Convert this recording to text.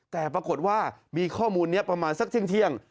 แต่ปรากฏว่ามีข้อมูลนี้ประมาณสักเที่ยง